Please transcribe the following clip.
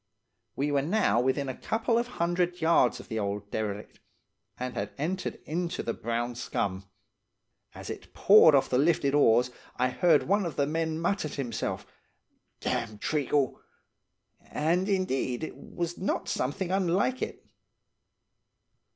"We were now within a couple of hundred yards of the old derelict, and had entered into the brown scum. As it poured off the lifted oars I heard one of the men mutter to himself, 'Dam' treacle!' And, indeed, it was not something unlike it.